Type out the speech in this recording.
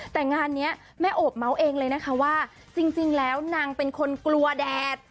แต่งานนี้แม่โอบเมาส์เองเลยนะคะว่าจริงแล้วนางเป็นคนกลัวแดด